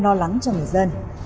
lo lắng cho người dân